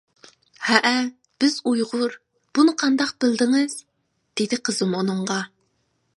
-ھەئە، بىز ئۇيغۇر، بۇنى قانداق بىلدىڭىز؟ -دېدى قىزىم ئۇنىڭغا.